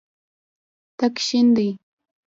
تک شین دی.